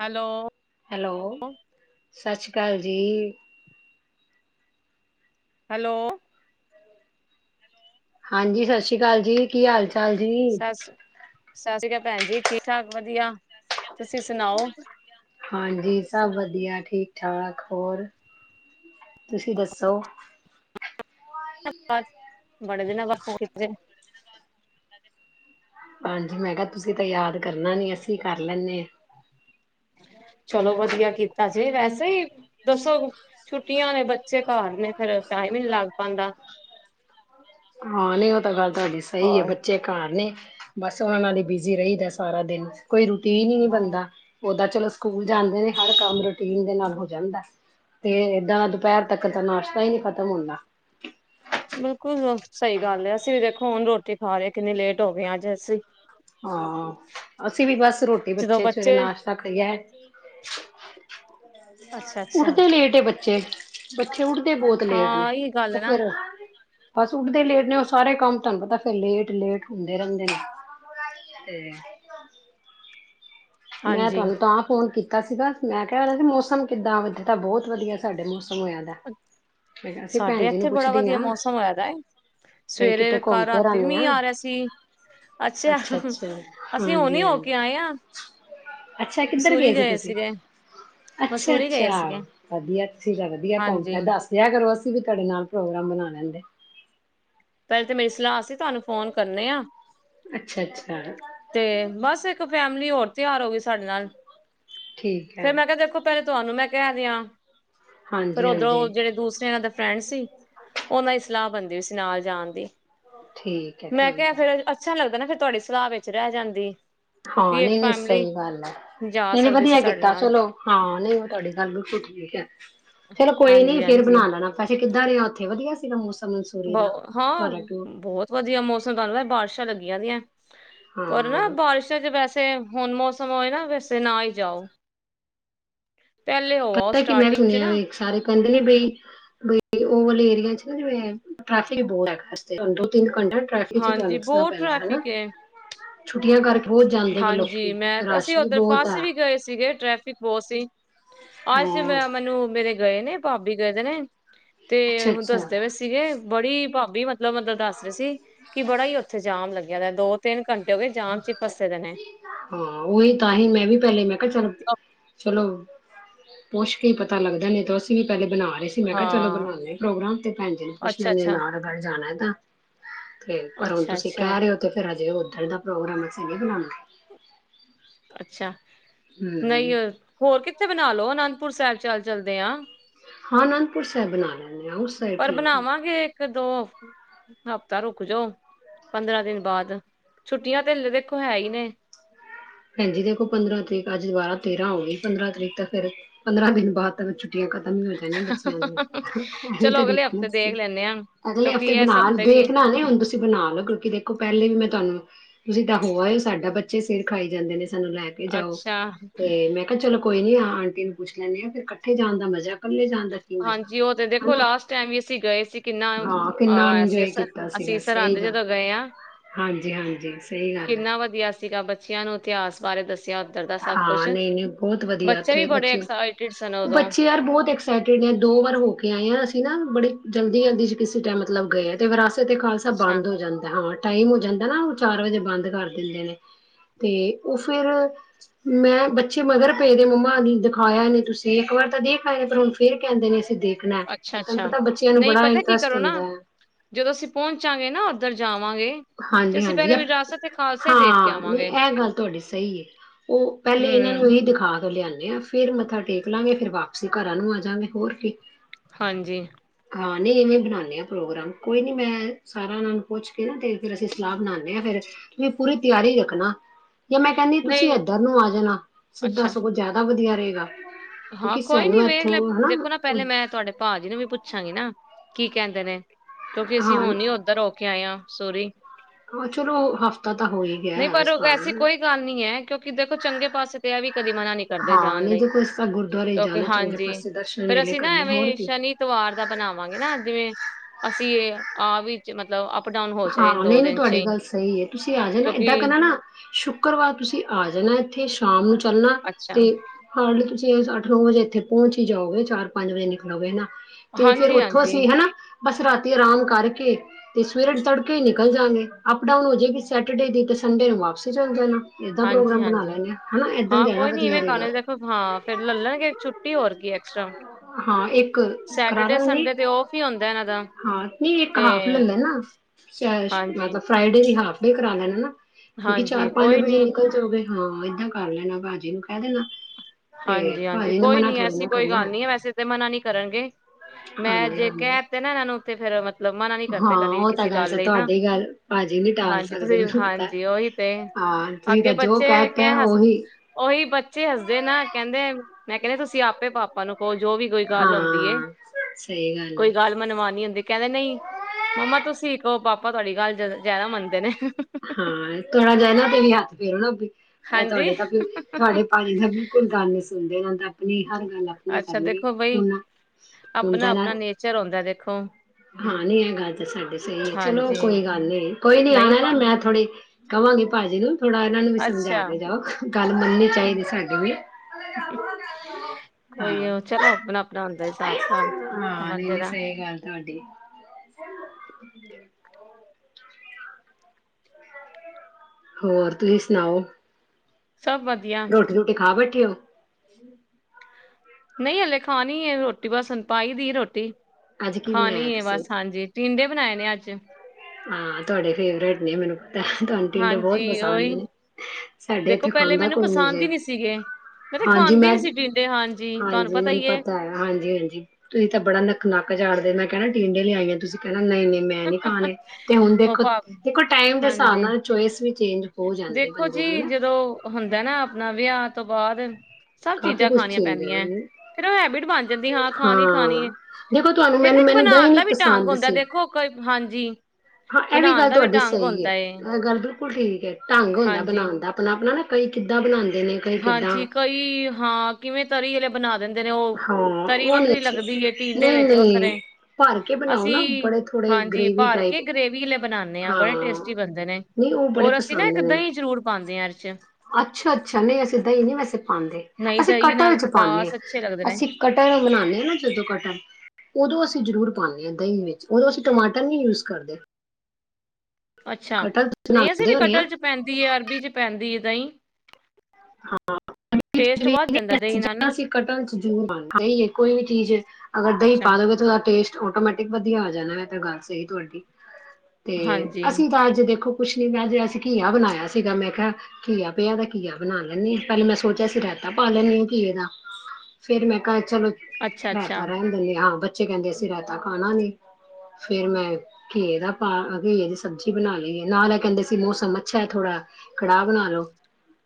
Hello. Hello ਸਤਿ ਸ਼੍ਰੀ ਅਕਾਲ ਜੀ। ਹੈਲੋ। ਹਾਂਜੀ ਸਤਿ ਸ੍ਰੀ ਅਕਾਲ ਜੀ ਕੀ ਹਾਲ। ਚਾਲ ਜੀ। ਸਸ ਸਤਿ ਸ੍ਰੀ ਅਕਾਲ ਭੈਣ ਜੀ ਠੀਕ ਠਾਕ ਵਧੀਆ ਤੁਸੀਂ ਸੁਣਾਓ। ਹਾਂਜੀ ਸਭ ਵਧੀਆ ਠੀਕ ਠਾਕ ਹੋਰ ਤੁਸੀਂ ਦੱਸੋ। ਸਭ ਬਸ। ਬੜੇ ਦਿਨਾਂ ਬਾਅਦ ਪਹੁੰਚੇ। ਹਾਂਜੀ ਮੈਂ ਕਿਹਾ ਤੁਸੀਂ ਤਾਂ ਯਾਦ। ਕਰਨਾ ਨੀ ਅਸੀਂ ਕਰ ਲੈਣੇ ਹਾਂ। ਚਲੋ ਵਧੀਆ ਕੀਤਾ। ਕੀਤਾ ਜੀ ਵੈਸੇ ਹੀ ਦੱਸੋ ਛੁੱਟੀਆਂ ਨੇ ਬੱਚੇ ਘਰ ਨੇ। ਫੇਰ ਟਾਈਮ ਨਹੀਂ ਲੱਗ ਪਉਦਾ। ਹਾਂ ਨਹੀਂ ਉਹ ਤਾਂ ਗੱਲ ਤੁਹਾਡੀ ਸਹੀ ਹੈ ਹੋਰ ਬੱਚੇ ਘਰ ਨੇ। ਬਸ ਉਹਨਾਂ ਨਾਲ ਬਿਜੀ ਰਹੀਦਾ ਸਾਰਾ ਦਿਨ। ਕੋਈ ਰੁਟੀਨ ਨੀ ਹਾਂ। ਬਣਦਾ ਉਹਦਾ। ਜਦੋਂ ਸਕੂਲ ਜਾਂਦੇ ਨੇ ਹਰ ਕੰਮ ਚ । ਰੁਟੀਨ ਦੇ ਨਾਲ ਹੋ ਜਾਂਦਾ। ਤੇ ਏਦਾਂ ਦੁਪਹਿਰ ਤੱਕ ਤਾਂ ਨਾਸ਼ਤਾ ਹੀ ਨਹੀਂ ਖਤਮ ਹੁੰਦਾ। ਬਿਲਕੁਲ ਸਹੀ ਗੱਲ ਹੈ ਅਸੀਂ ਵੀ ਦੇਖੋ ਹੁਣ ਰੋਟੀ ਖਾ ਰਹੇ ਹਾਂ ਕਿੰਨੀ ਲੇਟ ਹੋ ਗਏ ਹਾਂ ਅੱਜ ਅਸੀਂ। ਹਾਂ ਅਸੀਂ ਵੀ ਬਸ ਰੋਟੀ ਬੱਚੇ ਸਵੇਰੇ ਨਾਸ਼ਤਾ ਕਰਿਆ। ਅੱਛਾ-ਅੱਛਾ ਉੱਠਦੇ ਲੇਟ ਏ ਬੱਚੇ। ਬੱਚੇ ਬੱਚੇ। ਤੇ ਉੱਠਦੇ ਬਹੁਤ ਲੇਟ ਨੇ ਹਾਂ ਇਹੀ ਗੱਲ ਐ ਉਹ ਨਾ ਫੇਰ। ਬਸ ਉੱਠਦੇ ਲੇਟ ਨੇ ਉਹ ਸਾਰੇ ਕੰਮ ਤੁਹਾਨੂੰ ਪਤਾ ਫਿਰ ਲੇਟ ਲੇਟ ਹੁੰਦੇ ਰਹਿੰਦੇ ਨੇ। ਤੇ। ਮੈਂ ਹਾਂਜੀ। ਤੁਹਾਨੂੰ ਤਾਂ ਫੋਨ ਕੀਤਾ। ਕੀਤਾ ਸੀਗਾ ਮੈਂ ਕਿਹਾ ਉਰੇ ਤਾਂ ਮੌਸਮ ਕਿੱਦਾਂ ਇੱਥੇ ਤਾਂ ਬਹੁਤ ਵਧੀਆ ਸਾਡੇ ਮੌਸਮ। ਹੋਇਆ ਦਾ। ਮੈਂ ਅੱਛਾ ਕਿਹਾ ਸੀ ਸਾਡੇ ਭੈਣ ਜੀ ਨੂੰ ਇੱਥੇ ਬੜਾ ਪੁੱਛਦੀ ਆ ਵਧੀਆ ਮੌਸਮ ਆਇਦਾ ਬਈ ਸਵੇਰੇ ਕਿਤੇ ਅ ਘੁੰਮ ਫਿਰ ਰਾਤੀ ਵੀ ਆਨੇ ਮੀਂਹ ਆ ਰਿਹਾ ਸੀ ਅੱਛਾ ਅੱਛਾ-ਅੱਛਾ, ਅਸੀਂ ਹੋਣੀ ਹੋ ਕੇ ਹਾਂਜੀ-ਹਾਂਜੀ, ਆਏ ਹਾਂ। ਅੱਛਾ ਕਿੱਧਰ ਗਏ ਸੀ ਤੁਸੀਂ ਅੱਛਾ ਮਸੂਰੀ ਗਏ ਅੱਛਾ ਸੀਗੇ, ਵਧੀਆ ਤੁਸੀਂ ਤਾਂ ਘੁੰਮ ਹਾਂਜੀ। ਫਿਰ ਦੱਸ ਦਿਆਂ ਕਰੋ ਫੇਰ ਅਸੀਂ। ਤੁਸੀਂ ਵੀ ਸਾਡੇ ਨਾਲ ਪ੍ਰੋਗਰਾਮ ਬਣਾ ਲੈਂਦੇ। ਪਹਿਲੇ ਤੇ ਮੇਰੀ ਸਲਾਹ ਸੀ ਤੁਹਾਨੂੰ ਫੋਨ ਕਰਨੇ ਆ। ਅੱਛਾ-ਅੱਛਾ, ਤੇ ਬਸ ਇੱਕ ਫੈਮਲੀ ਹੋਰ। ਤਿਉਹਾਰ ਹੋਗੇ ਸਾਡੇ ਨਾਲ ਠੀਕ ਫੇਰ ਹੈ। ਮੈਂ ਕਿਹਾ ਦੇਖੋ ਪਹਿਲੇ ਤੁਹਾਨੂੰ ਮੈਂ ਕਹਿ ਦਿਆਂ, ਫਿਰ ਹਾਂਜੀ-ਹਾਂਜੀ ਉਧਰੋਂ ਜਿਹੜੇ ਦੂਸਰੇ ਇਹਨਾਂ ਦੇ ਫਰੈਂਡ ਸੀ ਉਹਨਾਂ ਦੀ ਸਲਾਹ ਬਣਗੀ। ਜਿਸ ਨਾਲ ਜਾਣ ਦੀ ਠੀਕ ਮੈਂ ਐ-ਠੀਕ ਕਿਹਾ ਐ ਫੇਰ ਅੱਛਾ ਲੱਗਦਾ ਨਾ ਫਿਰ, ਤੁਹਾਡੀ ਸਲਾਹ ਵਿੱਚ ਰਹਿ ਜਾਂਦੀ। ਹਾਂ ਕਿਉਂਕਿ ਇੱਕ ਨਹੀਂ ਨਹੀਂ ਫੈਮਿਲੀ ਸਹੀ ਗੱਲ ਹੈ ਜਾ ਨਹੀਂ ਨਹੀਂ ਸਕਦੀ ਸੀ ਵਧੀਆ ਸਾਡੇ ਕੀਤਾ ਨਾਲ, ਚਲੋ ਹਾਂ ਨਹੀਂ ਤੁਹਾਡੀ ਗੱਲ ਬਿਲਕੁਲ ਠੀਕ ਹੈ। ਚਲੋ ਕੋਈ ਨੀ ਫੇਰ ਹਾਂਜੀ-ਹਾਂਜੀ। ਬਣਾ ਲੈਣਾ ਅਜੇ ਕਿੱਦਾਂ ਰਿਹਾ ਉੱਥੇ ਵਧੀਆ ਸੀ ਗ ਮੌਸਮ ਮਨਸੂਰੀ ਦਾ। ਬਹੁਤ ਹਾਂ ਤੁਹਾਡਾ ਟੂਰ ਬਹੁਤ ਵਧੀਆ ਮੌਸਮ ਲੱਗਦਾ ਬਾਰਿਸ਼ਾਂ ਲੱਗੀਆਂ ਦੀਆਂ ਪਰ ਨਾ ਹਾਂ ਬਰਸ਼ਾ ਚ' ਵੈਸੇ ਫੇਰ ਹੁਣ ਮੌਸਮ ਹੋਏ ਨਾ ਵੈਸੇ ਨਾ ਹੀ ਜਾਓ। ਪਹਿਲੇ ਹੋ ਆਓ ਪਤਾ ਕਿ ਮੈਂ ਸਟਾਰਟਿੰਗ ਚ ਸੁਣਿਆ ਨਾ ਸਾਰੇ ਕਹਿੰਦੇ ਨੇ ਬਈ ਬਈ ਉਹ ਵਾਲੀ ਗਲੀਆਂ ਚ ਟਰੈਫਿਕਟਫ ਬਹੁਤ ਦੋ, ਤਿੰਨ ਘੰਟਾ ਟ੍ਰੈਫਿਕ ਚ ਗੱਲ ਹਾਂਜੀ ਦੱਸ ਨਾ ਬਹੁਤ ਪੈਂਦਾ ਹੈ ਨਾ ਟ੍ਰੈਫਿਕ ਏ। ਹਾਂਜੀ ਮੈਂ ਰਸ਼ ਅਸੀਂ ਵੀ ਉੱਧਰ ਬੋਤ ਫਸ ਆ ਵੀ ਗਏ ਸੀਗੇ ਟ੍ਰੈਫਿਕ ਬਹੁਤ ਸੀ। ਅਹ ਅਸੀਂ ਹਾਂ ਮੈਂ ਮੈਨੂੰ ਮੇਰੇ ਗਏ ਨੇ, ਭਾਬੀ ਕਹਿੰਦੇ ਨੇ ਤੇ ਹੁਣ ਅੱਛਾ-ਅੱਛਾ ਦੱਸਦੇ ਪਏ ਸੀਗੇ ਬੜੀ ਭਾਬੀ ਮਤਲਬ ਮਤਲਬ ਦੱਸ ਸੀ ਕਿ ਬੜਾ ਹੀ ਉੱਥੇ ਜਾਮ ਲੱਗਾ। ਜਿਆਦਾ ਦੋ ਤਿੰਨ ਘੰਟੇ ਹੋ ਗਏ ਜਾਮ ਚ ਹੀ। ਫਸੇ ਦੇ ਨੇ। ਹਾਂ ਉਹੀ ਤਾਂਹੀ ਮੈਂ ਵੀ ਪਹਿਲੇ ਮੈਂ ਕਿਹਾ ਚਲ- ਚਲੋ, ਪੁੱਸ਼ ਕੇ ਹੀ ਪਤਾ ਲੱਗਦਾ ਨਹੀਂ। ਤਾਂ ਅਸੀਂ ਵੀ ਪਹਿਲੇ ਬਣਾ ਰਹੇ ਸੀ। ਮੈਂ ਕਿਹਾ ਚਲੋ ਹਾਂ ਬਣਾਉਂਦੇ ਪ੍ਰੋਗਰਾਮ ਤੇ ਭੈਣ ਨੂੰ ਪੁੱਛ ਅੱਛਾ ਲੈਂਦੇ ਅੱਛਾ ਨਾਲ ਅਗਰ ਜਾਣਾ ਤਾਂ, ਪਰ ਹੁਣ ਅੱਛਾ ਤੁਸੀਂ ਅੱਛਾ ਕਹਿ ਰਹੇ ਹੋ ਤੇ ਫਿਰ ਅਜੇ, ਇਹਦਾ ਪ੍ਰੋਗਰਾਮ ਅਸੀਂ ਨਹੀਂ ਬਣਾਨਾ ਅੱਛਾ! ਨਹੀਂ ਹਮ ਹੋਰ ਕਿੱਥੇ ਬਣਾ ਲਓ ਉਹਨਾਂ ਨਾਲ ਪੁਰ ਸਾਹਿਬ ਚੱਲ ਚਲਦੇ ਆਂ, ਹਾਂ ਅਨੰਦਪੁਰ ਸਾਹਿਬ ਬਣਾ ਲੋ। ਪਰ ਬਣਾਵਾਂਗੇ ਇੱਕ-ਦੋ ਹਫ਼ਤਾ ਰੁਕ ਜਾਓ। ਪੰਦਰਾਂ ਦਿਨ ਬਾਅਦ ਛੁੱਟੀਆਂ ਤੇ ਦੇਖੋ ਹੈ ਹੀ ਨੇ। ਭੈਣ ਜੀ ਦੇਖੋ ਪੰਦਰਾਂ ਤਰੀਕ ਅੱਜ ਦੁਬਾਰਾ ਤੇਰਾਂ ਆ ਗਈ। ਪੰਦਰਾਂ ਤਰੀਕ ਤਾਂ ਫ਼ਿਰ ਪੰਦਰਾਂ ਦਿਨ ਬਾਅਦ ਤਾਂ ਛ- ਛੁੱਟੀਆਂ ਖਤਮ ਵੀ ਹੋ ਜਾਣੀਆਂ ਬੱਚਿਆਂ ਦੀਆ ਚਲੋ ਤਾਂ ਅਗਲੇ ਦੇਖੋ, ਨਾ ਹਫ਼ਤੇ ਦੇਖ ਤੁਸੀਂ। ਲੈਂਦੇ ਹਾਂ ਅਗਲੇ ਕਿਉਂਕਿ ਹਫ਼ਤੇ ਇਸ ਬਣਾ ਵੀ ਦੇਖਣਾ ਨਹੀਂ ਹੁਣ ਤੁਸੀਂ ਬਣਾ ਲਓ ਕਿਉਂਕਿ ਦੇਖੋ ਪਹਿਲੇ ਵੀ ਮੈਂ ਤੁਹਾਨੂੰ- ਤੁਸੀਂ ਤਾਂ ਹੋ ਆਏ ਹੋ। ਸਾਡਾ ਬੱਚੇ ਸਿਰ- -ਖਾਈ ਜਾਂਦੇ ਨੇ। ਸਾਨੂੰ ਲੈ ਕੇ ਜਾਓ, ਅੱਛਾ ਤੇ ਮੈਂ ਕਿਹਾ ਚਲੋ ਕੋਈ ਨੀ ਆ- ਅੰਟੀ ਨੂੰ ਪੁੱਛ ਲੈਂਦੇ ਹਾਂ, ਫਿਰ ਇਕੱਠੇ ਜਾਣ ਦਾ ਮਜ਼ਾ। ਇਕੱਲੇ ਜਾਣ ਦਾ ਕੀ ਮਜ਼ਾ ਹਾਂਜੀ ਉਹ ਤੇ ਦੇਖੋ ਹਨਾ ਲਾਸਟ ਟਾਈਮ ਵੀ ਅਸੀਂ ਗਏ ਸੀ ਕਿੰਨਾ ਹਾਂ ਮਜ਼ਾ ਕਿੰਨਾ ਆਇਆ ਸੀ। ਇੰਜੋਏ ਅਸੀਂ ਸਰਹਦ ਜਦੋਂ ਗਏ ਹਾਂ। ਹਾਂਜੀ-ਹਾਂਜੀ, ਸਹੀ ਗੱਲ ਹੈ। ਕਿੰਨਾ ਵਧੀਆ ਸੀਗਾ ਬੱਚਿਆਂ ਨੂੰ ਇਤਿਹਾਸ ਬਾਰੇ ਦੱਸਣਾ। ਹਾਂ, ਨਹੀਂ-ਨਹੀਂ ਬਹੁਤ ਵਧੀਆ ਵੀ ਇੱਥੇ ਬੜੇ ਬੱਚੇ। ਐਕਸਾਈਟਿਡ ਸਨ ਉਦੋਂ ਬੱਚੇ ਯਾਰ ਬਹੁਤ ਐਕਸ- ਇਕ-ਦੋ ਵਾਰ ਹੋ ਕੇ ਆਏ ਹਾਂ। ਅਸੀਂ ਨਾ ਬੜੇ ਜਲਦੀ ਜਲਦੀ, ਕਿਸੇ ਟਾਈਮ ਮਤਲਬ ਗਏ ਆ ਤੇ ਫਿਰ ਵਿਰਾਸਤ - -ਏ -ਖਾਲਸਾ ਅੱਛਾ ਬੰਦ ਹੋ ਜਾਂਦਾ ਹਾਂ। ਟਾਈਮ ਹੋ ਜਾਂਦਾ ਨਾ, ਉਹ ਚਾਰ ਵਜੇ ਬੰਦ ਕਰ ਦਿੰਦੇ ਨੇ ਤੇ ਉਹ ਫੇਰ- ਮੈਂ ਬੱਚੇ ਮਗਰ ਪਏ ਦੇ ਮੰਮਾ ਨੇ ਦਿਖਾਇਆ ਨਹੀ ਤੁਸੀਂ, ਇੱਕ ਵਾਰ ਤਾਂ ਦੇਖ ਆਏ ਨੇ, ਪਰ ਹੁਣ ਫੇਰ ਕਹਿੰਦੇ ਨੇ ਅਸੀ ਦੇਖਣਾ। ਅੱਛਾ, ਤੁਹਾਨੂੰ ਅੱਛਾ ਪਤਾ ਬੱਚਿਆਂ ਨੂੰ ਨਹੀਂ ਬੜਾ ਪਤਾ ਕੀ ਇੰਟਰਸਟ ਕਰੋ ਨਾ, ਹੁੰਦਾ ਹੈ ਜਦੋਂ ਅਸੀਂ ਪਹੁੰਚਾਂਗੇ ਨਾ- ਦਰ ਜਾ- ਹਾਂਜੀ, ਹਾਂਜੀ ਆ ਖਾਲਸਾ ਹੀ ਦੇਖ ਕੇ ਹਾਂ ਨਹੀਂ ਆਵਾਂਗੇ ਇਹ ਗੱਲ ਤੁਹਾਡੀ ਸਹੀ ਹੈ। ਉਹ ਪਹਿਲੇ ਇਹਨਾਂ ਨੂੰ ਹੂੰ ਇਹੀ ਦਿਖਾ ਤੋਂ ਲਿਆਣਾ। ਫੇਰ ਮੱਥਾ ਟੇਕ ਲਾਂਗੇ ਫੇਰ ਵਾਪਸੀ ਘਰਾਂ ਨੂੰ ਆ ਜਾਂਗੇ ਹੋਰ ਕੀ। ਹਾਂਜੀ। ਹਾਂ, ਨਹੀਂ ਇਵੇਂ ਬਣਾਉਂਦੇ ਹਾਂ ਪ੍ਰੋਗਰਾਮ। ਕੋਈ ਨੀ ਮੈਂ ਸਾਰਾ ਨਾਲ ਪੁੱਛ ਕੇ ਨਾ ਤੇ- ਫਿਰ ਅਸੀਂ ਸਲਾਹ ਬਨਾਦੇ ਹਾਂ, ਫਿਰ ਤੁਸੀਂ ਪੂਰੀ ਤਿਆਰੀ ਰੱਖਣਾ। ਜਾਂ ਮੈਂ ਕਹਿੰਦੀ ਤੁਸੀਂ ਨਹੀਂ ਇੱਧਰ ਨੂੰ ਆ ਜਾਣਾ, ਸਿੱਧਾ ਅੱਛਾ ਸਗੋਂ ਜ਼ਿਆਦਾ ਵਧੀਆ। ਦੇਖਾ ਗਾ ਹਾਂ। ਕੋਈ ਨੀ ਵੇਖ ਲਵੋ, ਦੇਖੋ ਨਾ ਉਹ- ਪਹਿਲੇ ਮੈਂ ਤੁਹਾਡੇ ਭਾਜੀ ਨੂੰ ਵੀ ਪੁੱਛਾਂਗੀ ਨਾ। ਕੀ ਕਹਿੰਦੇ ਨੇ। ਕਿਉਂਕਿ ਅਸੀਂ ਹਾਂ ਹੁਣ ਹੀ ਉਧਰ ਹੋ ਕੇ ਆਏ ਹਾਂ। ਸੋਰੀ। ਹਾਂ ਚਲੋ ਹਫ਼ਤਾ ਤਾਂ ਹੋ ਹੀ ਗਿਆ ਨਹੀਂ ਹੈ ਪਰ ਇਸ ਗੱਲ ਐਸੀ ਨੂੰ ਕੋਈ ਗੱਲ ਨਹੀਂ ਹੈ, ਕਿਉਂਕਿ ਦੇਖੋ ਚੰਗੇ ਪਾਸੇ ਤੇ ਇਹ ਵੀ ਕਦੇ ਮਨਾ ਨਹੀਂ ਕਰਦੇ ਹਾਂ ਜਾਣ ਨਹੀਂ ਲਈ। ਦੇਖੋ ਇਸ ਤਰ੍ਹਾਂ ਗੁਰਦੁਆਰੇ ਓ ਜਾਣਾ ਚੰਗੇ ਹਾਂਜੀ। ਪਾਸੇ ਦਰਸ਼ਨ ਫੇਰ ਮੇਲੇ ਅਸੀਂ ਨਾ ਕਰਨੇ ਹੋਰ ਐਵੇਂ ਕੀ ਸ਼ਨੀ-ਐਤਵਾਰ ਦਾ ਬਨਾਵਾਂਗੇ ਨਾ ਜਿਵੇਂ- ਅਸੀਂ ਆਹ ਵੀ ਮਤਲਬ। ਡਾਊਨ ਹੋ ਜਾਏ ਹਾਂ, ਦੋ ਨਹੀਂ -ਨਹੀਂ ਦਿਨ ਚ ਤੁਹਾਡੀ ਹੀ ਗੱਲ ਸਹੀ ਹੈ। ਤੁਸੀਂ ਆ ਜਾਣਾ ਏਦਾਂ ਕਿਉਂਕਿ ਕਰਨਾ ਨਾ ਸ਼ੁੱਕਰਵਾਰ ਤੁਸੀਂ ਆ ਜਾਣਾ, ਤੇ ਸ਼ਾਮ ਨੂੰ ਚੱਲਣਾ ਅੱਛਾ ਤੇ ਹਾਰਡਲੀ ਤੁਸੀ- ਜੇ ਅੱਠ ਨੌ ਵਜੇ ਇੱਥੇ ਪਹੁੰਚ ਹੀ ਜਾਓਗੇ ਚਾਰ ਪੰਜ ਵਜੇ ਨਿਕਲੋਗੇ ਨਾ ਤੇ ਫੇਰ ਉੱਥੋਂ ਹਾਂਜੀ-ਹਾਂਜੀ, ਅਸੀਂ ਹੈ ਨਾ। ਬਸ ਰਾਤੀ ਆਰਾਮ ਕਰਕੇ ਤੇ ਸਵੇਰੇ ਤੜਕੇ ਨਿਕਲ ਜਾਗੇ ਅਪ ਡਾਊਨ ਹੋ ਜਾਏ ਵੀ ਸੈਟਰਡੇ ਦੀ ਤੇ ਸੰਡੇ ਨੂੰ ਵਾਪਸੀ ਜਾਂਦਾ ਨਾ। ਹਾਂਜੀ ਹਾਂਜੀ ਹਾਂ ਜ਼ਿਆਦਾ ਕੋਈ ਨਹੀਂ ਵਧੀਆ ਇਵੇਂ ਕਰਲਾ ਰਹੇਗਾ ਗੇ ਦੇਖੋ ਹਾਂ ਫਿਰ ਲੈ ਲੈਣਗੇ ਛੁੱਟੀ ਹੋਰ ਕੀ ਐਕਸਟਰਾ ਹਾਂ ਇੱਕ ਕਰਾ ਸੈਟਰਡੇ ਲੈਣੇ ਸੰਡੇ ਤੇ ਆਫ ਹੀ ਹੁੰਦਾ ਇਹਨਾਂ ਦਾ ਹਾਂ ਨਹੀਂ ਇੱਕ ਹਾਫ ਲੈ ਤੇ ਲੈਣਾ ਹਾਂਜੀ, ਮਤਲਬ ਫਰਾਈਡੇ ਦੀ ਹਾਫ ਡੇ ਹੈ। ਕਰਾ ਲੈਣਾ ਨਾ ਕਿਉਂਕਿ ਚਾਰ ਹਾਂਜੀ ਪੰਜ ਕੋਈ ਵਜੇ ਨੀ ਨਿਕਲ ਜਾਓਗੇ। ਹਾਂ ਏਦਾਂ ਕਰ ਲੈਣਾ ਭਾਜੀ ਨੂੰ ਕਹਿ ਦੇਣਾ, ਤੇ ਹਾਂਜੀ- ਹਾਂਜੀ ਭਾਜੀ ਨੇ ਕੋਈ ਮਨਾ ਨੀ ਥੋੜ੍ਹੀ ਐਸੀ ਨਾ ਕੋਈ ਕਰਨਾ ਗੱਲ ਹੈ। ਨੀ ਵੈਸੇ ਤੇ ਮਨਾ ਨੀ ਕਰਨਗੇ ਮੈਂ ਹਾਂਜੀ ਜੇ ਹਾਂਜੀ ਕਹਿ ਤੇ ਨਾ ਇਹਨਾਂ ਨੂੰ, ਤੇ ਫੇਰ। ਮਤਲਵ ਮਨਾ ਨੀ ਕਰਦੇ, ਹਾਂ ਕਦੇ ਵੀ ਉਹ ਤਾਂ ਕਿਸੇ ਗੱਲ ਸ ਲਈ ਨਾ ਤੁਹਾਡੀ ਗੱਲ ਭਾਜੀ ਨਹੀਂ ਟਾਲ ਹਾਂਜੀ ਸਕਦੇ ਤੁਸੀਂ ਮੈਨੂੰ ਪਤਾ ਹੈ। ਹਾਂਜੀ ਓਹੀ ਤੇ ਹਾਂ ਤੁਸੀਂ ਅੱਗੇ ਤਾਂ ਜੋ ਕਹਿ ਬੱਚੇ ਕ ਤਾ ਹੱਸ ਉਹੀ ਉਹੀ ਬੱਚੇ ਹੱਸਦੇ ਨਾ। ਮੈਂ ਕਿਹਾ ਤੁਸੀਂ ਆਪੇ ਪਾਪਾ ਨੂੰ ਜੋ ਵੀ ਕੋਈ ਗੱਲ ਹੁੰਦੀ, ਹਾਂ ਸਹੀ ਕੋਈ ਹੈ ਗੱਲ ਮਨਵਾਣੀ ਹੁੰਦੀ ਕਹਿੰਦੇ ਨਹੀਂ ਮੰਮਾ ਤੁਸੀ ਹੀ ਕਹੋ ਪਾਪਾ ਨੂੰ ਪਾਪਾ ਦੀ ਗੱਲ ਜ਼ਿਆਦਾ ਮੰਨਦੇ ਨੇ, ਹਾਂ ਥੋੜਾ ਜਿਹਾ ਇਹਨਾਂ ਤੇ ਵੀ ਹੱਥ ਫੇਰੋ ਨਾ ਫੇਰ ਮੈਂ ਹਾਂਜੀ ਤੁਹਾਡੇ ਤਾਂ ਤੁਹਾਡੇ ਭਾਜੀ ਤਾਂ ਬਿਲਕੁਲ ਗੱਲ ਨੀ ਸੁਣਦੇ ਨਦੇ ਆਪਣੀ ਹਰ ਗੱਲ, ਆਪਣੀ ਅੱਛਾ ਕਰਨੀ ਦੇਖੋ ਬਈ ਹੁਣ- ਹੁਣ ਆਪਣਾ ਤਾਂ ਨਾ ਆਪਣਾ ਨੇਚਰ ਹੁੰਦਾ ਦੇਖੋ ਹਾਂ ਨੀ ਇਹ ਗੱਲ ਤਾਂ ਸਾਡੀ ਸਹੀ ਹੈ ਚਲੋ ਹਾਂਜੀ ਕੋਈ ਗੱਲ ਨੀ ਕੋਈ ਨੀ ਨਹੀਂ ਆਉਣਾ ਪਾ ਮੈਂ ਥੋੜ੍ਹੀ ਕਵਾਂਗੀ ਭਾਜੀ ਨੂੰ ਥੋੜਾ ਇਹਨਾਂ ਨੂੰ ਵੀ ਸਮਝਾ ਅੱਛਾ ਕੇ ਜਾਓ, ਗੱਲ ਮੰਨਣੀ ਚਾਹੀਦੀ ਸਾਡੀ ਵੀ ਕੋਈ ਹਾਂ। ਉਹ ਚਲੋ ਆਪਣਾ ਆਪਣਾ ਹੁੰਦਾ ਹਿਸਾਬ ਤਾਂ ਹਾਂ ਨਹੀਂ ਬੰਦੇ ਨਹੀਂ ਦਾ ਸਹੀ ਗੱਲ ਤੁਹਾਡੀ, ਹੋਰ ਤੁਸੀਂ ਸੁਣਾਓ, ਸਭ ਵਧੀਆ ਰੋਟੀ ਰੂਟੀ ਖਾ ਬੈਠੀ ਹੋ, ਹੂੰ, ਨਹੀਂ ਹਾਲੇ ਖਾਣੀ ਹੈ, ਰੋਟੀ ਬਸ ਪਾਈ ਦੀ ਰੋਟੀ ਅੱਜ ਕੀ ਬਣਾਇਆ ਖਾਣੀ ਤੁਸੀਂ ਬਸ ਹਾਂਜੀ ਟਿੰਡੇ, ਟਿੰਡੇ ਬਣਾਏ ਨੇ ਅੱਜ, ਹਾਂ ਤੁਹਾਡੇ ਫੇਵਰੇਟ ਨੇ ਮੈਨੂੰ, ਤੁਹਾਨੂੰ ਟਿੰਡੇ ਹਾਂਜੀ ਬਹੁਤ ਪੰਸਦ ਉਹੀ ਨੇ ਸਾਡੇ ਦੇਖੋ ਇੱਥੇ ਪਹਿਲੇ ਖਾਂਦਾ ਮੈਨੂੰ ਕੋਈ ਨੀ ਪਸੰਦ ਜੇ ਹੀ ਨਹੀਂ ਸੀਗੇ ਤੇ ਹਾਂਜੀ ਖਾਂਦੀ ਮੈਂ ਨੀ ਸੀ ਟਿੰਡੇ ਹਾਂਜੀ ਤੁਹਾਨੂੰ ਹਾਂਜੀ ਮੈਨੂੰ ਹੀ ਪਤਾ ਹੈ ਹਾਂਜੀ-ਹਾਂਜੀ ਤੁਸੀਂ ਤਾਂ ਬੜਾ ਨਕੋ ਨਾਕ ਜਾਣਦੇ ਮੈਂ ਕਹਿਣਾ ਟਿੰਡੇ ਲਿਆਈਆਂ ਤੁਸੀਂ ਕਹਿਣਾ, ਨਹੀਂ-ਨਹੀਂ ਮੈਂ ਨੀ ਖਾਣੇ, ਤੇ ਹੁਣ ਉਹ ਭਾਵ ਦੇਖੋ-ਦੇਖੋ ਟਾਈਮ ਦੇ ਹਿਸਾਬ ਹਾਂਜੀ ਨਾਲ ਚੋਇਸ ਵੀ, ਜੀ, ਦੇਖੋ ਜੀ ਜਦੋਂ ਹੁੰ ਹਨਾ ਨਾ ਆਪਣਾ ਵਿਆਹ ਤੋਂ ਬਾਅਦ, ਸਭ ਕਾਫੀ ਚੀਜ਼ਾਂ ਕੁਛ ਖਾਣੀਆਂ ਚੇਂਜ ਪੈਂਦੀਆਂ ਹੈ ਫੇਰ ਉਹ ਹੈਬਿਟ ਬਣ ਜਾਂਦੀ ਹਾਂ ਖਾਣੀ ਖਾਣੀ ਹਾਂ ਦੇਖੋ ਤੁਹਾਨੂੰ ਫੇਰ ਨਾ ਮੈਨੂੰ ਇੱਕ ਮੈਨੂੰ ਦਹੀਂ ਬਣਾਣ ਨੀ ਦਾ ਵੀ ਢੰਗ ਪਸੰਦ ਹੁੰਦਾ ਸੀ ਦੇਖੋ, ਕੋਈ ਹਾਂਜੀ। ਜੀ, ਹਾਂ ਇਹ ਵੀ ਗੱਲ ਤੁਹਾਡੀ ਸਹੀ ਇਹ ਗੱਲ ਬਿਲਕੁਲ ਠੀਕ, ਠੀਕ ਢੰਗ ਹੁੰਦਾ ਹਾਂਜੀ ਬਣਾਣ ਦਾ ਆਪਣਾ-ਆਪਣਾ ਨਾ, ਕਈ ਕਿੱਦਾਂ ਬਣਾਦੇ। ਹਾਂਜੀ ਕਈ ਹਾਂ ਕਿਵੇਂ ਤਰੀ ਆਲੇ, ਬਣਾ, ਦਿੰਦੇ ਨੇ ਉਹ ਹਾਂ ਤਰੀ ਉਹ ਨੀ ਵੱਖਰੀ ਅੱਛੀ ਲੱਗਦੀ ਹੈ ਟੀਂਡੇ ਨਹੀਂ ਵਿੱਚ ਨਹੀਂ ਵੱਖਰੇ ਭਰ ਕੇ ਬਣਾਓ ਨਾ ਅਸੀਂ ਬੜੇ ਥੋੜੇ ਹਾਂਜੀ ਗ੍ਰੇਵੀ ਭਾਰ ਕੇ ਟਾਈਪ ਗਰੇਵੀ ਹਲੇ ਬਣਾਦੇ ਹਾਂ ਬੜੇ ਟੇਸਟੀ ਬਣਦੇ ਨੇ ਨਹੀਂ ਉਹ ਬੜੇ ਔਰ ਅਸੀਂ ਨਾ ਇੱਕ ਦਹੀਂ ਜ਼ਰੂਰ ਪਾਦੇ ਹਾਂ ਇਹਦੇ ਚ ਅੱਛਾ-ਅੱਛਾ ਨਹੀਂ ਅ ਸਿੱਦਾਂ ਹੀ ਨਹੀਂ ਵੈਸੇ, ਪਾਦੇ ਨਹੀਂ ਅਸੀਂ ਦਹੀਂ ਕਟਲ ਨਾਲ ਚ ਪਾਦੇ ਖਟਾਸ ਅੱਛੇ ਲੱਗਦੇ ਹਾਂ ਨੇ ਅਸੀਂ ਕਟਰਲ ਬਣਾਦੇ ਹਾਂ ਨਾ ਜਦੋਂ ਕਟਰ ਉਦੋਂ ਅਸੀਂ ਅਸੀਂ ਜ਼ਰੂਰ ਪਾਦੇ ਹਾਂ ਦਹੀਂ ਵਿੱਚ ਉਦੋਂ ਅਸੀਂ ਟਮਾਟਰ ਨੀ ਯੂਜ ਕਰਦੇ, ਅੱਛਾ ਕਟਰ ਨਹੀਂ ਅਸੀਂ ਵੀ ਬਣਾਉਂਦੇ ਹੁੰਦੇ ਹਾਂ ਕਟਲ ਚ ਪੈਂਦੀ ਹੈ ਅਰਬੀ ਚ ਪੈਂਦੀ ਹੈ। ਨਹੀ, ਹਾਂ, ਦਹੀਂ ਨਾਲ ਨਾ [unintelligible] ਕਟਲ ਚ ਜਰੂਰ ਪਾਵਾਗੇ ਦਹੀ ਐ ਕੋਈ ਵੀ ਚੀਜ਼ ਹੈ ਅਗਰ ਦਹੀਂ ਅੱਛਾ ਪਾਵੋਗੇ ਤਾਂ ਉਹਦਾ ਟੇਸਟ ਆਟੋਮੈਟਿਕ ਵਧੀਆ ਆ ਜਾਣਾ ਮੈਂ ਤਾਂ ਗੱਲ ਸਹੀ ਤੁਹਾਡੀ, ਤੇ ਹਾਂਜੀ ਅਸੀਂ ਤਾਂ ਅੱਜ ਦੇਖੋ, ਕੁਛ ਨੀ ਮੈਂ ਕਿਹਾ ਜੇ ਅਸੀਂ ਘੀਆ ਬਣਾਇਆ ਸੀਗਾ ਮੈਂ ਕਿਹਾ ਘੀਆ ਪਿਆ ਤਾਂ ਘੀਆ ਬਣਾ ਲੈਂਦੇ ਪਹਿਲੇ ਮੈਂ ਸੋਚ ਸਰਾਤਾ ਪਾਲਣ ਕੀ ਇਹਦਾ ਫੇਰ ਮੈਂ ਕਿਹਾ, ਚਲੋ ਲਹਿ ਅੱਛਾ-ਅੱਛਾ ਤਾਂ ਰਹਿਣ ਦਿੰਨੀ ਹਾਂ ਬ ਬੱਚੇ ਕਹਿੰਦੇ ਸੀ ਰਾਇਤਾ ਖਾਣਾ ਨ ਫੇਰ ਮੈਂ ਘੀਏ ਦਾ ਪਾ ਘੀਏ ਦੀ ਸਬਜ਼ੀ ਬਣਾ ਲਈ ਨਾਲ ਕਹਿੰਦੇ ਸੀ ਮੌਸਮ ਅੱਛਾ ਥੋੜਾ ਕੜਾਹ ਬਣਾ ਲੋ,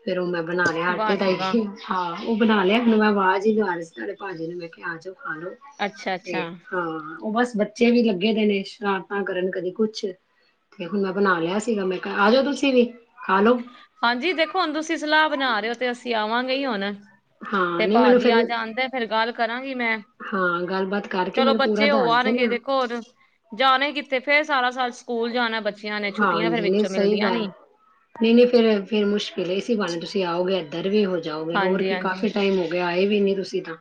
ਫੇਰ ਉਹ ਮੈਂ ਬਣਾ ਲਿਆ ਵਾਹ ਆਟੇ ਦਾ ਜੀ ਵਾਹ ਹੀ, ਹਹ ਉਹ ਬਣਾ ਲਿਆ ਹੁਣ ਮੈਂ ਆਵਾਜ਼ ਹੀ ਲਵਾ ਰਹੀ ਤੁਹਾਡੇ ਭਾਜੀ ਨੂੰ ਮੈਂ ਕਿਹਾ ਆ ਜੋ ਆਲੋ ਅੱਛਾ-ਅੱਛਾ ਏ ਹਾਂ ਉਹ ਬਸ ਬੱਚੇ ਵੀ ਲੱਗੇ ਦੇ ਨੇ ਸ਼ਰਾਰਤਾਂ ਕਰਨ ਕਦੀ ਕੁਛ ਤੇ ਹੁਣ ਮੈਂ ਬਣਾ ਲਿਆ ਸੀਗਾ ਮੈਂ ਆ ਜਾਓ ਤੁਸੀਂ ਵੀ ਖਾ ਲੋ ਹਾਂਜੀ ਦੇਖੋ ਹੁਣ ਤੁਸੀਂ ਸਲਾਹ ਬਣਾ ਤੇ ਅਸੀਂ ਆਵਾਂਗੇ ਹੀ ਹਣ ਹਾਂ ਤੇ ਨਹੀਂ ਮੈਨੂੰ ਭਾਜੀ ਆ ਫੇਰ ਜਾਂਣਦਾ ਫਿਰ ਗੱਲ ਕਰਾਂਗੀ ਮੈਂ ਹਾਂ ਗੱਲਬਾਤ ਕਰਕੇ ਚਲੋ ਮੈਨੂੰ ਪੂਰਾ ਬੱਚੇ ਹੋ ਦੱਸ ਆਉਣਗੇ ਦੇਣਾ ਦੇਖੋਰ ਜਾਣੇ ਕਿੱਥੇ ਫਿਰ ਸਾਰਾ ਸਾਲ ਸਕੂਲ ਜਾਣਾ ਬੱਚਾ ਹਾਂਜੀ ਨਹੀਂ ਸਹੀ ਗੱਲ ਨਹੀਂ ਨਹੀਂ ਫਿਰ ਫਿਰ ਮੁਸ਼ਕਿਲ ਹੈ ਇਸ ਬਾਰੇ ਤੁਸੀਂ ਆਓਗੇ ਇੱਧਰ ਵੀ ਹੋ ਜਾਓਗੇ ਹੋਰ ਕੀ ਹਾਂਜੀ-ਹਾਂਜੀ ਕਾਫ਼ੀ ਟਾਈਮ ਹੋ ਆਏ ਵੀ ਨੀ ਤੁਸੀਂ ਤਾਂ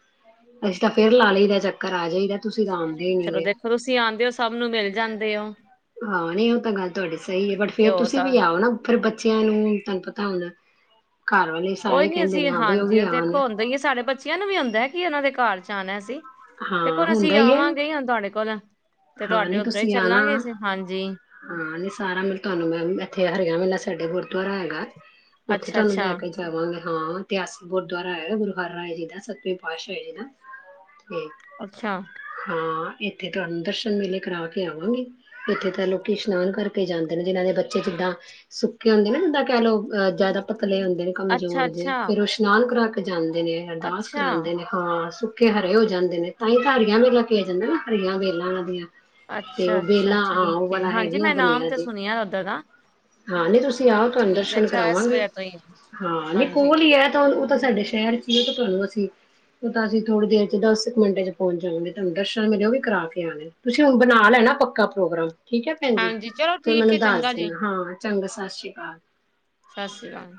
ਅਸੀਂ ਤਾਂ ਫੇਰ ਲਾ ਲਈਦਾ ਚੱਕਰ ਆ ਜਾਈਦਾ ਤੁਸੀਂ ਤਾਂ ਆਉਂਦੇ ਹੀ ਨੀ ਚਲੋ ਗੇ ਦੇਖੋ ਤੁਸੀਂ ਆਉਂਦੇ ਹੋ ਸਭ ਨੂੰ ਮਿਲ ਜਾਂਦੇ [unintelligible] ਹਾਂ ਨਹੀਂ ਉਹ ਤਾਂ ਗੱਲ ਤੁਹਾਡੀ ਸਹੀ ਹੈ ਬਟ ਤੇ ਫੇਰ ਹੋਰ ਤੁਸੀਂ ਤਾਂ ਵੀ ਆਓ ਨਾ ਫਿਰ ਬੱਚਿਆਂ ਨੂੰ ਤੁਹਾਨੂੰ ਪਤਾ ਹੁੰਦਾ ਕੋਈ ਨੀ ਅਸੀਂ ਹਾਂਜੀ ਉਹ ਆਉਣ ਦੇਖੋ ਹੁੰਦਾ ਹੀਏ ਸਾਡੇ ਬੱਚਿਆਂ ਨੂੰ ਵੀ ਆਉਂਦਾ ਕੀ ਉਹਨਾਂ ਦੇ ਘਰ ਚ ਆਉਣਾ ਸੀ ਹਾਂ ਦੇਖੋਣ ਹੁੰਦਾ ਅਸੀਂ ਹੀ ਹੈ ਆਵਾਂਗੇ ਤੁਹਾਡੇ ਕੋਲ ਤੇ ਹਾਂ ਤੁਹਾਡੇ ਨੀ ਉੱਧਰ ਹੀ ਤੁਸੀਂ ਆਣਾ ਚੱਲਾਂਗੇ ਅਸੀਂ ਹਾਂਜੀ ਹਾਂ ਨੀ ਸਾਰਾ ਮ ਤੁਹਾਨੂੰ ਮੈਂ ਇੱਥੇ ਹਰਿਆਣਾ ਮਿਲ ਸਾਡੇ ਗੁਰਦੁਆਰਾ ਹੈਗਾ ਉੱਥੇ ਅੱਛਾ ਤੁਹਾਨੂੰ ਅੱਛਾ ਲੈ ਕੇ ਜਾਵਾਂਗੇ ਹਾਂ ਇਤਿਹਾਸਿਕ ਗੁਰਦੁਆਰਾ ਹੈਗਾ ਗੁਰਦੁਆਰਾ ਰਾਏ ਜੀ ਦਾ ਸਤਵੇੀਂ ਪਾਤਸ਼ਾਹ ਹੈ ਜੀ ਦਾ ਤੇ ਅੱਛਾ ਹਾਂ ਇੱਥੇ ਤੁਹਾਨੂੰ ਮੇਲੇ ਕਰਾ ਕੇ ਆਵਾਂਗੇ ਇੱਥੇ ਤਾਂ ਲੋਕੀ ਇਸ਼ਨਾਨ ਕਰਕੇ ਜਾਂਦੇ ਨੇ ਜਿਹਨਾਂ ਦੇ ਬੱਚੇ ਜਿੱਦਾਂ ਸੁੱਕੇ ਹੁੰਦੇ ਨਾ ਜਿੱਦਾਂ ਕਹਿ ਲਓ ਅ ਜ਼ਿਆਦਾ ਪਤਲੇ ਹੁੰਦੇ ਨੇ ਅੱਛਾ ਕਮਜ਼ੋਰ ਦੇ ਅੱਛਾ ਫਿਰ ਉਹ ਇਸ਼ਨਾਨ ਜਾਂਦਾ ਨੇ ਅਰਦਾਸ ਅੱਛਾ ਕਰਾਉਂਦੇ ਨੇ ਹਾਂ ਹਰੇ ਹੋ ਜਾਂਦੇ ਨੇ ਤਾਂਹੀ ਤਾਂ ਹਰੀਆਂ ਵੇਲਾ ਕੇ ਆ ਜਾਂਦਾ ਨਾ ਹਰੀਆਂ ਵੇਲਾਂ [unintelligible] ਤੇ ਅੱਛਾ ਉਹ ਅੱਛਾ ਵੇਲਾ ਹਾਂ ਉਹ ਠੀਕ ਹੈ ਵਾਲਾਂ ਹਾਂਜੀ ਹੈਗੀਆਂ ਮੈਂ ਨਾਮ ਬਣੀਆਂ ਤੇ ਜ ਸੁਣਿਆ ਉੱਧਰ ਦਾ ਹਾਂ ਨੀ ਤੁਸੀਂ ਆਓ ਤੁਹਾਨੂੰ ਠੀਕ ਹੈ ਦਰਸ਼ਨ ਅੱਛਾ ਇਸ ਕਰਾਵਾਂਗੇ ਵਜ੍ਹਾ ਤੋਂ ਹੀ ਹੈ। ਹਾਂ ਨ ਹਾਂਜੀ ਕੋਲ ਹੀ ਹੈ ਤਾਂ ਤਾਂ ਸਾਡੇ ਸ਼ਹਿਰ ਚ ਹੀ ਹੈ ਤੇ ਤੁਹਾਨੂੰ ਅਸੀਂ ਉਹ ਤਾਂ ਅਸੀਂ ਥੋੜ੍ਹੀ ਦੇਰ ਚ ਦਸ ਕੁ ਮਿੰਟੇ ਚ ਪਹੁੰਚ ਜਾਾਂਗੇ ਤੁਹਾਨੂੰ ਦਰਸ਼ਨ ਮੇਰੇ ਉਹ ਵੀ ਕਰਾ ਕੇ ਆਣੇ ਤੁਸੀਂ ਹੁਣ ਬਣਾ ਲੈਣਾ ਪੱਕਾ ਪ੍ਰੋਗਰਾਮ ਠੀਕ ਹੈ ਭੈਣ ਜੀ ਹਾਂਜੀ ਚਲੋ ਫਿਰ ਠੀਕ ਮੈਨੂੰ ਹੈ ਦੱਸ ਚੰਗਾ ਜੀ ਦੇਣਾ ਹਾਂ ਚੰਗਾ ਸਤਿ ਸ਼੍ਰੀ ਅਕਾਲ ਸਤਿ ਸ਼੍ਰੀ ਅਕਾਲ